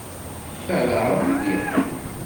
Ala Ṛebbi i d-yeqqimen.